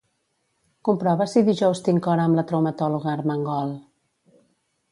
Comprova si dijous tinc hora amb la traumatòloga Armengol.